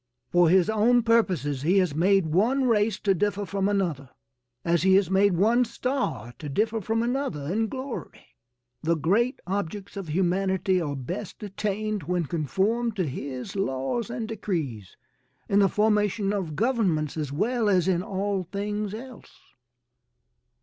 For his own purposes he has made one race to differ from another, as he has made one star to differ from another in glory. The great objects of humanity are best attained when conformed to his laws and decrees in the formation of governments as well as in all things else.